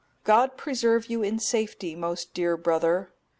God preserve you in safety, most dear brother!